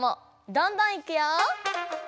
どんどんいくよ。